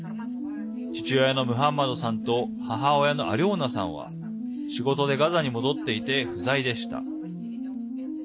父親のムハンマドさんと母親のアリョーナさんは仕事でガザに戻っていて不在でした。